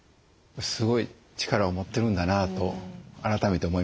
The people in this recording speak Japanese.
すごい力を持ってるんだなと改めて思いましたですね。